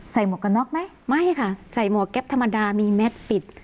หมวกกันน็อกไหมไม่ค่ะใส่หมวกแก๊ปธรรมดามีแมทปิด